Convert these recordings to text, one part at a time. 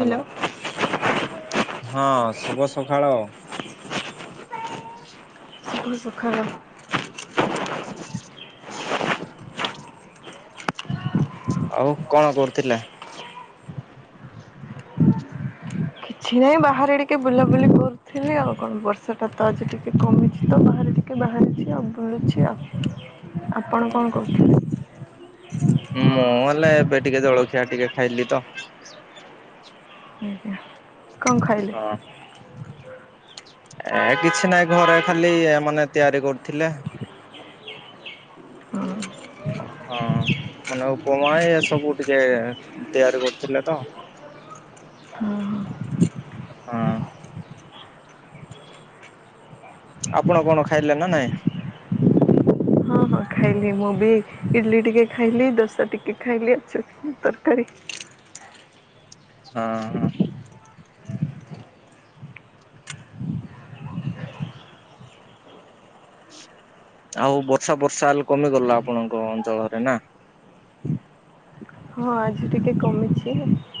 Hello, ହଁ ଶୁଭ ସଖାଳ। ଶୁଭ ସଖାଳ। [inaudible] ଆଉ କଣ କରୁଥିଲେ? କିଛି ନାହିଁ ବାହାରେ ଟିକେ ବୁଲାବୁଲି କରୁଥିଲି ଆଉ। କଣ ବର୍ଷାଟା ତ ଆଜି ଟିକେ କମିଛି ତ ବାହାରେ ଟିକ କି ବାହାରିଛି ଆଉ ବୁଲୁଛି ଆଉ। ଆପଣ କଣ ହୁଁ କରୁଛନ୍ତି? ମୁଁ ହେଲେ ଏବେ ଟିକେ ଜଳଖିଆ ଟିକେ ଖାଇଲି ତ। ଆଜ୍ଞା। କଣ ଖାଇଲେ? ହଁ। ଏ କିଛି ନାଇଁ ଘରେ ଖାଲି ମାନେ ତିଆରି କରୁଥିଲେ। ଓହଁ ମାନେ ଉପମା ଏ ସବୁ ଟିକେ ତିଆରି କରୁଥିଲେ ତ। ଓ ହୋ। ହଁ। ଆପଣ କଣ ଖାଇଲେ ନା ନାଇଁ? ହଁ ହଁ ଖାଇଲି ମୁଁ ବି ଇଡ଼ଲି ଟିକେ ଖାଇଲି ଦୋସା ଟିକେ ଖାଇଲି ଆଛ ତରକାରୀ। ହଁ। ଆଉ ବର୍ଷା ବର୍ଷା ହେଲେ କମିଗଲା ଆପଣଙ୍କ ଅଞ୍ଚଳରେ ନା? ହଁ ଆଜି ଟିକେ କମିଛି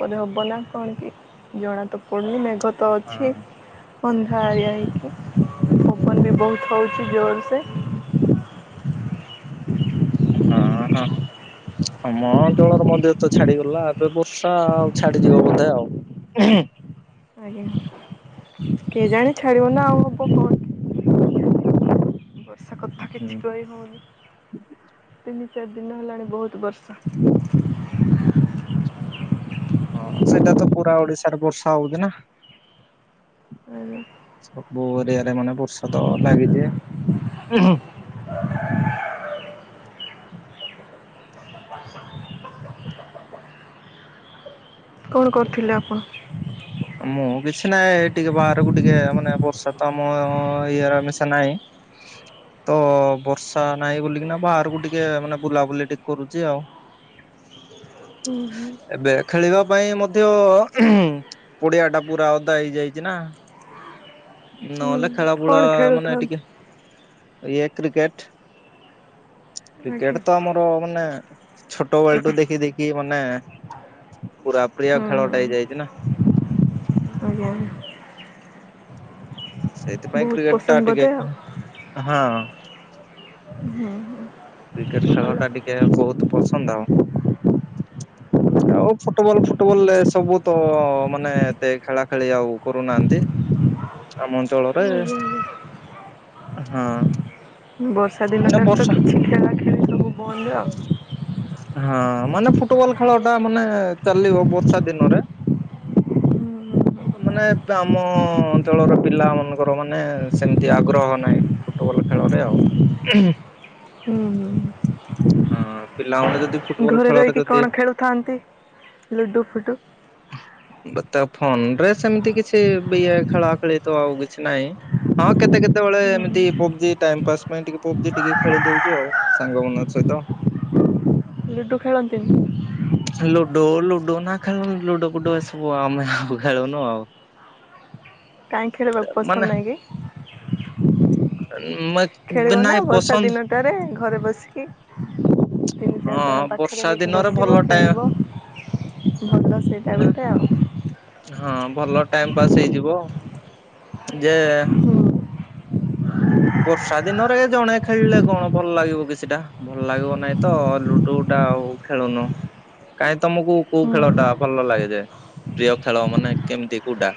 ପରେ ହେବ ନା କଣ କି ଜଣା ତ ପଡ଼ୁନି ମେଘ ତ ଅଛି। ହଁ ଅନ୍ଧାରିଆ ହେଇକି ଫବନ ବି ବହୁତ ହଉଛି ଜୋରସେ। ହଁ ହଁ। ଆମ ଅଞ୍ଚଳର ମନ୍ଦିର ତ ଛାଡିଗଲା ଏବେ ବର୍ଷା ଆଉ ଛାଡିଯିବ ବୋଧେ ଆଉ। ହୁଁ। ଆଜ୍ଞା କେଜାଣି ଛାଡ଼ିବ ନା ଆଉ ହବ କଣ୍ କି ସେ କଥା ହୁଁ କିଛି କହି ହେଉନି, ତିନି ଚାରି ଦିନ ହେଲାଣି ବହୁତ ବର୍ଷା। ହଁ ସେଇଟା ତ ପୁରା ଓଡିଶାରେ ବର୍ଷା ହଉଛି ନା। [unintelligible] ସବୁ ଏରିଆରେ ମାନେ ବର୍ଷା ତ ଲାଗିଛି। କଣ କରୁଥିଲେ ଆପଣ? ମୁଁ କିଛି ନାହିଁ ଟିକେ ବାହାରକୁ ଟିକେ ମାନେ ବର୍ଷା ତ ଆମ ଇଏର ଆମଶା ନହିଁ। ତ ବର୍ଷା ନାହିଁ ବୋଲିକିନା ବାହାରକୁ ଟିକେ ମାନେ ବୁଲାବୁଲି ଟିକେ କରୁଛି ଆଉ। ଏବେ ଖେଳିବା ପାଇଁ ମଧ୍ୟ ପଡିଆଟା ପୁରା ଓଦା ହେଇଯାଇଛି ନା ହୁଁ ନହେଲେ ଖେଳା କଣ ଫୁଳା ମାନେ ଖେଳୁଥାନ୍ତି? ଟିକେ ଇ କ୍ରିକେଟ୍। ଆଜ୍ଞା କ୍ରିକେଟ ତ ଆମର ମାନେ ଛୋଟ ବେଳଠୁ ଦେଖି ଦେ କି ମାନେ ପୁରା ପ୍ରିୟ ହୁଁ ଖେଳ ଟା ହୁଁ ହେଇ ଯାଇଛି ନା। ହୁଁ। ଆଜ୍ଞା। ସେଇଥିପାଇଁ ବହୁତ କ୍ରିକେଟ ଟା ପସନ୍ଦ ଟିକେ ବୋଧେ ଆଉ ହଁ ହୁଁ ହୁଁ। କ୍ରିକେଟ ଖେଳ ଟା ଟିକେ ବହୁତ ପସନ୍ଦ ଆଉ। ଆଉ ଫୁଟବଲ ଫୁଟବଲ ଏ ସବୁ ତ ମାନେ ଏତେ ଖେଳା ଖେଳି ଆଉ କରୁନାହାନ୍ତି। ଆମ ଅଞ୍ଚଳରେ ଆଜ୍ଞା ଆଜ୍ଞା ହଁ। ବର୍ଷା ଏ ଦିନଟା ତ ବର୍ଷା କିଛି ଖେଳା ଖେଳି ସବୁ ବନ୍ଦ ଆଉ। ହଁ ମାନେ ଫୁଟବଲ ଖେଳ ଟା ମାନେ ଚାଲିବ ବର୍ଷା ଦିନରେ। ମାନେ ଆମ ଅଞ୍ଚଳର ପିଲା ମାନଙ୍କର ମାନେ ସେମିତି ଆଗ୍ରହ ନାହିଁ। ଫୁଟବଲ ଖେଳରେ ଆଉ। ହୁଁ। ହଁ ପିଲାମାନେ ଯଦି ଫୁଟବଲ ଘରେ ଖେଳରେ ରହିକି ଯଦି କଣ ଖେଳୁଥାନ୍ତି ଲୁଡୁ ଫୁଡୁ? ତା ଫୋନ ରେ ସେମିତି କିଛି ଇଏ ଖେଳା ଖେଳି ତ ଆଉ କିଛି ନାହିଁ। ହଁ କେତେ କେତେବେଳେ ହୁଁ ଏମିତି ପବଜି ଟାଇମ ପାସ୍ ପାଇଁ ଟିକେ ପବଜି ଟିକେ ଖେଳି ଦଉଚୁ ଆଉ। ସାଙ୍ଗ ମାନଙ୍କ ସହିତ। ଲୁଡ଼ୁ ଖେଳନ୍ତିନି? ଲୁଡୋ ଲୁଡୋ ନା ଖେଳୁନି ଲୁଡୋ ଫୁଡୁ ଏସବୁ ଆମେ ଆ ଖେଳୁନୁ ଆଉ କାହିଁକି ଖେଳିବାକୁ ମାନେ ପସନ୍ଦ ନାହିଁ କି? ମ ନାଇ ପସନ୍ଦ। ଟରେ ଘରେ ବସିକି। ତିନି ହଁ ଚାରିଜଣ ପାଖରେ ବର୍ଷା ହେଇକି ଦିନରେ ଭଲ ବସିବ ଟାଇମ ଖେଳିବ ଭଲ ସେଇଟା ମାନେ ଗୋଟେ ଆଉ। ହଁ ଭଲ ଟାଇମ ପାସ୍ ହେଇଯିବ। ଯେ ବର୍ଷା ଦିନରେ ଜଣେ ଖେଳିଲେ କଣ ଭଲ ଲାଗିବ କିଛିଟା ଭଲ ଲାଗିବ ନାଇଁ। ତ ଲୁଡୁ ଟା ଆଉ ଖେଳୁନୁ। କାଇହିଁ ତମକୁ କୋଉ ହୁଁ ଖେଳ ଟା ଭଲ ଲାଗେ ଯେ ପ୍ରିୟ ଖେଳ ମାନେ କେମିତି କୋଉଟା।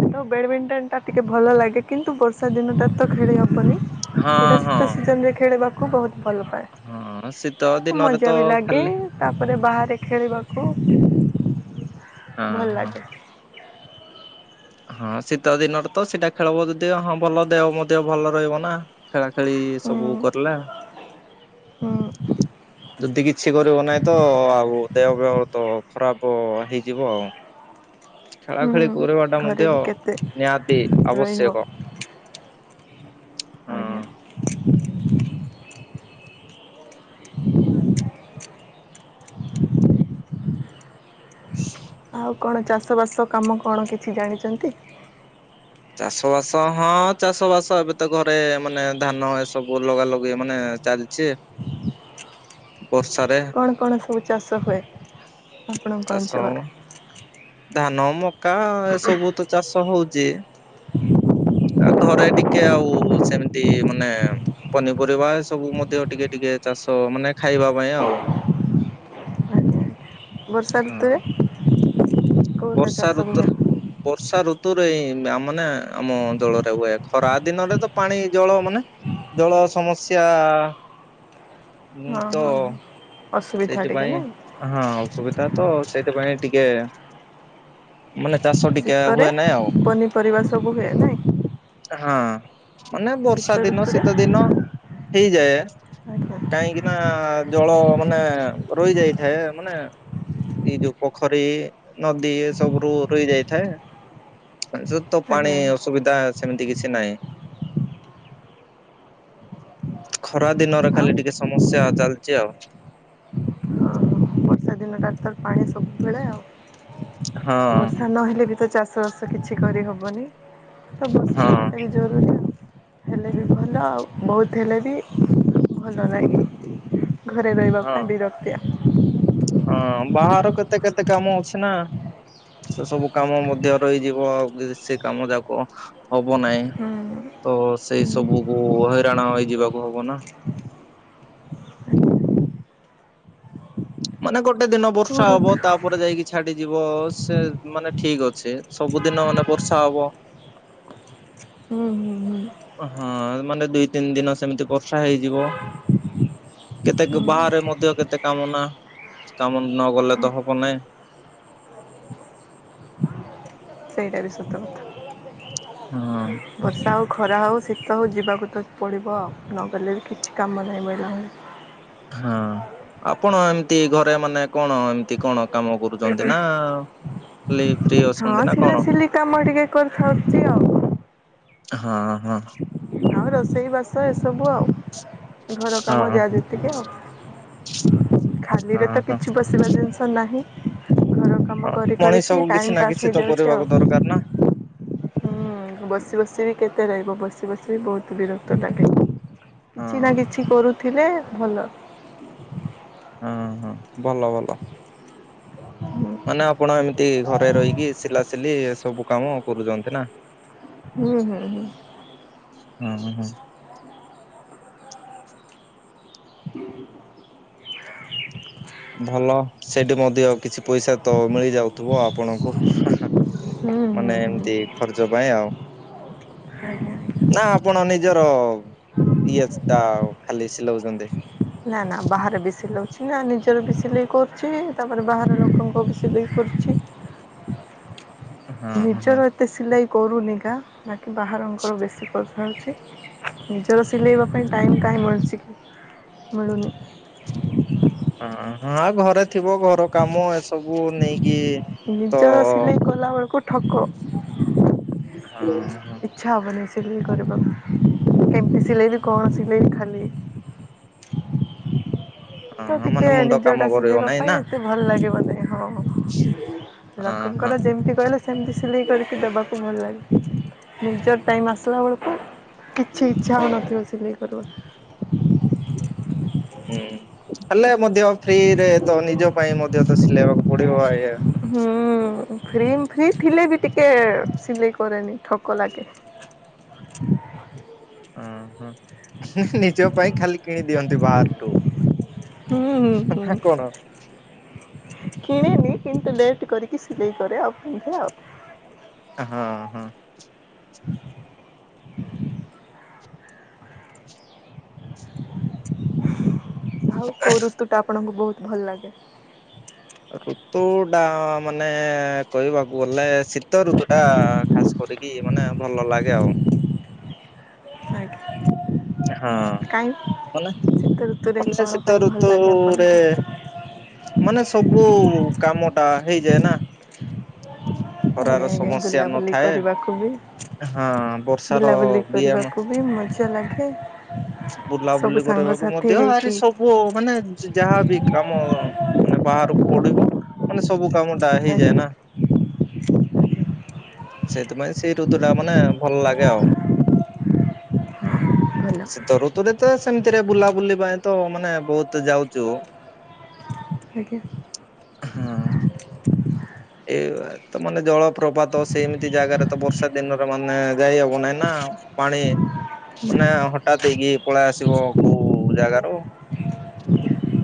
ଆ ବ୍ୟାଡମିଣ୍ଟନ ଟା ଟିକେ ଭଲ ଲାଗେ କିନ୍ତୁ ବର୍ଷା ଦିନଟା ତ ଖେଳି ହବନି। ହଁ ସେଇଟା ହଁ ଶୀତ ସିଜନରେ ଖେଳିବାକୁ ବହୁତ ଭଲ ପାଏ। ହଁ ଶୀତ ଦିନରେ ତ ମଜା ବି ଲାଗେ ଖାଲି ତାପରେ ବାହାରେ ଖେଳିବାକୁ ହଁ ଭଲ ହଁ। ଲାଗେ ହଁ ଶୀତ ଦିନରେ ତ ସେଇଟା ଖେଳ ହବ ଯଦି ହଁ ଭଲ ଦେହ ମଧ୍ୟ ଭଲ ରହିବ ନା। ଖେଳା ଖେଳି ହୁଁ ଏସବୁ କରିଲା। ହୁଁ। ଯଦି କିଛି କରିବ ନାହିଁ ତ ଆଉ ଦେହ ପେହ ତ ଖରାପ ହେଇଯିବ ଆଉ। ଖେଳା ହଁ ଖେଳି କରିବାଟା ଘରେ ମଧ୍ୟ ବି କେତେ ନିହାତି ଆବଶ୍ୟକ ରହିବ। ହଁ। ଆଜ୍ଞା। ଆଉ କଣ ଚାଷ ବାସ କାମ କଣ କିଛି ଜାଣିଛନ୍ତି? ଚାଷ ବାସ ହଁ ଚାଷ ବାସ ଏବେ ତ ଘରେ ମାନେ ଧାନ ଏସବୁ ଲଗା ଲଗି ମାନେ ଚାଲିଛି। ବର୍ଷାରେ କଣ କଣ ସବୁ ଚାଷ ହୁଏ ଆପଣଙ୍କ ଚାଷ ଅଞ୍ଚଳରେ? ଧାନ ମକା ଏସବୁ ତ ଚାଷ ହଉଚି। ଆ ଘରେ ଟିକେ ଆଉ ସେମିତି ମାନେ ପନିପରିବା ଏ ସବୁ ମଧ୍ୟ ଟିକେ ଟିକେ ଚାଷ ମାନେ ଖାଇବା ପାଇଁ ଆଉ। ଆଜ୍ଞା ବର୍ଷା ଋତୁରେ ହଁ। କୋଉଟା ବର୍ଷା ଚାଷ ହୁଏ? ଋତୁର। ବର୍ଷା ଋତୁରେ ଏଇ ମାନେ ଆମ ଜଳରେ ହୁଏ ଖରା ଦିନରେ ତ ପାଣି ଜଳ ମାନେ ଜଳ ସମସ୍ୟା। ଉଁ ହଁ ତ ହଁ। ଅସୁବିଧା ଟିକେ ସେଇଥିପାଇଁ ନାଇଁ ହଁ ଅସୁବିଧା ତ ସେଇଥିପାଇଁ ଟିକେ। ମାନେ ଚାଷ ଟିକେ ଶୀତରେ ହୁଏ ନାହିଁ ଆଉ ପନିପରିବା ସବୁ ହୁଏ ନାହିଁ। ହଁ ମାନେ ଶୀତ ବର୍ଷା ଦିନ ଋତୁରେ ଶୀତ ଦିନ। ହେଇଯାଏ ଆଜ୍ଞା କାହିଁକିନା ଜଳ। ମାନେ ରହି ଯାଇଥାଏ ମାନେ ଏଇ ଯୋଉ ପୋଖରୀ ନଦୀ ଏ ସବୁ ରୁ ରୋହି ଯାଇଥାଏ। ଜ ତ ପାଣି ଆଜ୍ଞା ଆଜ୍ଞା ଅସୁବିଧା ସେମିତି କିଛି ନାହିଁ। ଖରା ଦିନରେ ଆଉ ଖାଲି ଟିକେ ସମସ୍ୟା ଚାଲିଛି ଆଉ। ହଁ ବର୍ଷା ଦିନ ଟାକ୍ ତର ପାଣି ସବୁବେଳେ ହଁ ଆଉ ବର୍ଷା ନହେଲେ ବି ତ ଚାଷ। ଷ ବାସ କିଛି କରିହେବନି ତ ବର୍ଷା ହଁ ହେବାକାରଲି ଜରୁରୀ ଆ [inaudible] ହେଲେ ବି ଭଲ ଆଉ ବହୁତ ହେଲେ ବି ଭଲ ଲାଗେ। ଘରେ ରହିବା ହଁ। ପାଇଁ ବିରକ୍ତିଆ। ହଁ ବାହାର କେତେ କେତେ କାମ ଅଛି ନା ସେ ସବୁ କାମ ମଧ୍ୟ ରହିଯିବ ଆଉ ସେ କାମ ଯାକ ହବ ନାହିଁ। ହୁଁ। ତ ସେଇ ସବୁ କୁ ହଇରାଣ ହେଇଯିବାକୁ ହବ ନା। ମାନେ ଗୋଟେ ଦିନ କୋଉ ବର୍ଷା ହବ ଋତୁ ତାପରେ ଯାଇକି ଛାଡି ଯିବ। ସେ ମାନେ ଠିକ୍ ଅଛି। ସବୁଦିନ ମାନେ ବର୍ଷା ହବ। ହୁଁ ହୁଁ ହୁଁ। ଓ ହଁ ମାନେ ଦିଇ ତିନି ଦିନ ସେମିତି ବର୍ଷା ହେଇଯିବ। କେତେ ଗ ହୁଁ ବାହାରେ ମଧ୍ୟ କେତେ କାମ ନା, କାମ ନଗଲେ ତ ହବ ନା ସେଇଟା ବି ସତ ହଁ କଥା। ବର୍ଷା ହଉ ଖରା ହଉ, ଶୀତ ହଉ ଯିବାକୁ ତ ପଡ଼ିବ ଆଉ। ନଗଲେ ବି କିଛି କାମ ନାହିଁ ମିିଲ୍ ନାହିଁ। ହଁ। ଆପଣ ଏମିତି ଘରେ ମାନେ କଣ ଏମିତି କଣ? କାମ କରୁଚନ୍ତି ନା। ଖାଲି ଫ୍ରି ହଁ ଅଛନ୍ତି ନା କଣ? ସିଲାସିଲି କାମ ଟିକେ କରିଥାଉଚି ଆଉ। ହଁ ହଁ। ହଁ ରୋଷେଇ ବାସ ଏସବୁ ଆଉ ଘର ହଁ କାମ ଯାହା ଯେତ୍ ତିକ ଖାଲିରେ ତ ହଁ କିଛି ବସିବା ଜିନିଷ ନାହିଁ। ଘର କାମ ହଁ କରି କରିକି ଟାଇମ୍ ପାସ୍ ହେଇଯାଉଛି ଆଉ। ଗାରନ ହୁଁ ବସି ବସି ବି କେତେ ରହିବ। ବସି ବସି ବି ବହୁତ ବିରକ୍ତ ଲାଗେ। ହଁ କିଛି ନା କିଛି କରୁଥିଲେ ଭଲ। ହଁ ହଁ ଭଲ ଭଲ। ମାନେ ଆପଣ ଏମିତି ଘରେ ରହିକି ସିଲାସିଲି ଏ ସବୁ କାମ କରୁଚନ୍ତି ନା। ହୁଁ ହୁଁ ହୁଁ। ହଁ ହଁ। ଭଲ ସେଇଠି ମଧ୍ୟ କିଛି ପଇସା ତ ମିଳି ଯାଉଥିବ ଆପଣଙ୍କୁ? ହା ହା। ହୁଁ ହୁଁ ମାନେ ହୁଁ। ଏମତି ଖର୍ଚ୍ଚ ପାଇଁ ଆଉ। ଆଜ୍ଞା। ନା ଆପଣ ନିଜର ଇଏଚ୍ ତା ଖାଲି ସିଲଉଛନ୍ତି। ନା ନା ବାହାରେ ବି ସିଲଉଛି ନା ନିଜର ବି ସିଲେଇ କରୁଛି। ତାପରେ ବାହାର ଲୋକଙ୍କର ବି ସିଲେଇ କରୁଛି। ହଁ ହଁ ହଁ। ନିଜର ଏତେ ସିଲେଇ କରୁନି ଗା ନାକି ବାହାରଙ୍କର ବେଶୀ କର୍ ମିଳୁଚି। ନିଜର ସିଲେଇବା ପାଇଁ ଟାଇମ୍ କାହିଁ ମିଳୁଚି କି? ମିଳୁନି। ହଁ ହଁ ଘରେ ଥିବ ଘର କାମ ଏସବୁ ନେଇକି ତ ନିଜର ସିଲେଇ କଲା ବେଳୁକୁ ଠକ। ହଁ ହଁ। ଇଚ୍ଛା ହବନି ସିଲେଇ କରିବାକୁ କେମତି ସିଲେଇବି କଣ ସିଲେଇବି ଖାଲି। ସେ ହଁ ଟିକେ ମାନେ ମୁଣ୍ଡ କାମ ନିଜଟା କରିବ ସିଲେଇବା ନାଇଁ ପାଇଁ ନା। ଏତେ ଭଲ୍ ଲାଗିବନି। ହଁ ହଁ ହଁ ହଁ। ଲକଙ୍କର ଯେମତି କହିଲେ ସେମତି ସିଲେଇ କରିକି ଦବାକୁ ଭଲ ଲାଗେ। ନିଜର ଟାଇମ୍ ଆସିଲା ବେଳୁକୁ କିଛି ଇଚ୍ଛା ହଉନଥିବ ସିଲେଇ କରଦବାକୁ। ହୁଁ ହେଲେ ମଧ୍ୟ ଫ୍ରିରେ ତ ନିଜ ପାଇଁ ମଧ୍ୟ ତ ସିଲେଇବାକୁ ପଡିବ ଆଜ୍ଞା। ହୁଁ ଫ୍ରିମ୍ ଫ୍ରି ଥିଲେ ବି ଟିକେ ସିଲେଇ ପରେନିି ଠକ ଲାଗେ। ଉଁ ହୁଁ ହୁଁ ହୁଁ ନିଜ ପାଇଁ ଖାଲି କିଣି ଦିଅନ୍ତି ବାହାର ଟୁ। ହୁଁ ହୁଁ ହୁଁ। କିଣେନି କିନ୍ତୁ ଲେଟ୍ କରିକି ସିଲେଇ କରେ ଆଉ ପିନ୍ଧେ ଆଉ। ହଁ ହଁ। [inaudible] ଆଉ କୋଉ ଋତୁ ଟା ଆପଣଙ୍କୁ ବହୁତ ଭଲ ଲାଗେ? ଋତୁ ଟା ମାନେ କହିବାକୁ ଗଲେ ଶୀତ ଋତୁ ଟା ଖାସ୍ କରିକି ମାନେ ଭଲ ଲାଗେ ଆଉ। ହଁ କାଇଁ ହେଲା ଶୀତ ଋତୁରେ ମାନେ କଣ ଶୀତ ପାଇଁ ଭଲ ଲାଗେ ଋତୁରେ ଆପଣଙ୍କୁ? ମାନେ ସବୁ କାମ ଟା ହେଇଯାଏ ନା। ଖରାର ଆଜ୍ଞା ଆଜ୍ଞା ସମସ୍ୟା ବୁଲାବୁଲି ନଥାଏ। କରିବାକୁ ବି ହଁ ବର୍ଷାର ବୁଲାବୁଲି ବି ଆମ କରିବାକୁ ବି ମଜା ଲାଗେ। ସବୁ ବୁଲାବୁଲି କରିବାକୁ ସାଙ୍ଗସାଥି ମଧ୍ୟ ଆରେ ହେଇକି ସବୁ ବୁ ମାନେ ଯାହାବି କାମ ମାନେ ବାହାରକୁ ପଡିବ ମାନେ ସବୁ କାମ ଟା ହେଇଯାଏ ଆଜ୍ଞା ନା। ସେଇଥିପାଇଁ ସେଇ ଋତୁ ଟା ମାନେ ଭଲ ଲାଗେ ଆଉ। ଭଲ ଶୀତ ଋତୁରେ ତ ସେମିତିରେ ବୁଲା ବୁଲି ପାଇଁ ତ ମାନେ ବହୁତ ଯାଉଛୁ ଆଜ୍ଞା। ହୁଁ। ଏଇ ବା ତ ମାନେ ଜଳପ୍ରପାତ ସେ ଏମିତି ଜାଗାରେ ତ ବର୍ଷା ଦିନରେ ମାନେ ଯାଇହବ ନାଇଁ ନା ପାଣି ମାନେ ହଠାତ୍ ଦେଇକି ପଳେଇ ଆସିବ କୋଉ ଜାଗାରୁ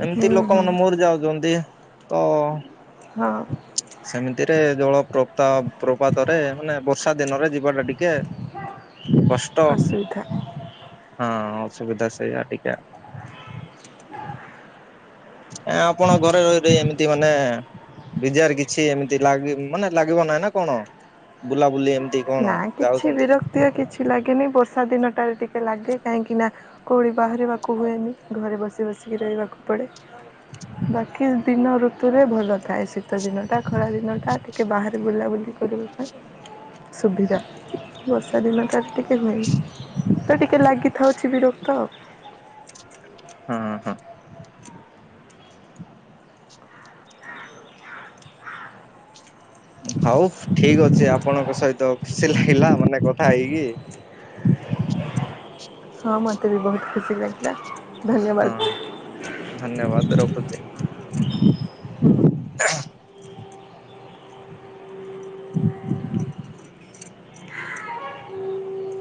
ଏମିତି ହୁଁ ହୁଁ। ଲୋକମାନେ ମୋର ଯାଉଛନ୍ତି ତ ହଁ। ସେମିତିରେ ଜଳ ପ୍ରତା ପ୍ରପାତରେ ମାନେ ବର୍ଷା ଦିନରେ ଯିବାଟା ଟିକେ କଷ୍ଟ ଅସୁବିଧା ହଁ ଅସୁବିଧା ସେଇଆ ଟିକେ ଆ ଆପଣଙ୍କ ଘରେ ରହିିଲେ ଏମିତି ମାନେ ବିଜାର କିଛି ଛି ଏମିତି ଲାଗ ମାନେ ଲାଗିବ ନାହିଁ ନା କଣ ବୁଲାବୁଲି ଏମିତି କଣ ନା କିଛି ଯାଉଛନ୍ତି? ବିରକ୍ତି କିଛି ଲାଗେନି ବର୍ଷା ଦିନଟାରେ ଟିକେ ଲାଗେ କାହିଁକି ନା କଉଁଡ଼ି ବାହାରିବାକୁ ହୁଏନି। ଘରେ ବସି ବସିକି ରହିବାକୁ ପଡ଼େ। ବାକି ଦିନ ଋତୁରେ ଭଲ ଥାଏ ଶୀତ ଦିନଟା ଖରା ଦିନଟା ଟିକେ କେ ବାହାରେ ବୁଲାବୁଲି କରିବା ପାଇଁ ସୁବିଧା ବର୍ଷା ଦିନ ତ ଟିକେ ହୁଏନି ତ ଟିକେ ଲାଗିଥାଉଛି ବିରକ୍ତ ଆଉ। ହଁ ହଁ। ହଉ ଠିକ ଅଛି ଆପଣଙ୍କ ସହିତ ଖୁସି ଲାଗିଲା ମାନେ କଥା ହେଇକି। ହଁ ମତେ ବି ବହୁତ ଖୁସି ଲାଗିଲା। ହଁ ଧନ୍ୟବାଦ ଧନ୍ୟବାଦ ରଖୁଛି। ହଁ [inaudible] [unintelligible]